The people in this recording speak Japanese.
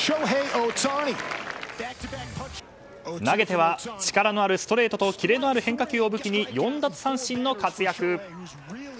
投げては力のあるストレートとキレのある変化球を武器に４奪三振の活躍。